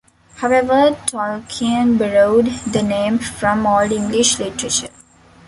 However, Tolkien borrowed the name from Old English literature.